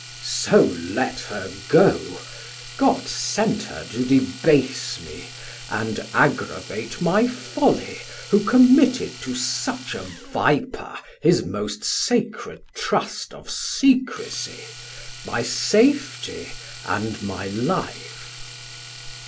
Sam: So let her go, God sent her to debase me, And aggravate my folly who committed 1000 To such a viper his most sacred trust Of secresie, my safety, and my life.